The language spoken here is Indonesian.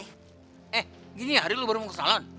eh gini hari lo baru mau ke salon